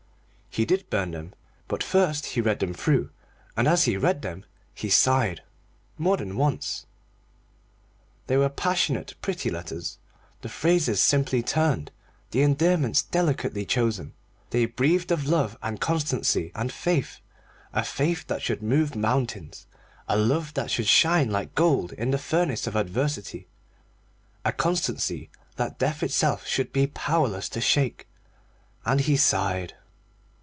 He did burn them but first he read them through, and as he read them he sighed, more than once. They were passionate, pretty letters, the phrases simply turned, the endearments delicately chosen. They breathed of love and constancy and faith, a faith that should move mountains, a love that should shine like gold in the furnace of adversity, a constancy that death itself should be powerless to shake. And he sighed.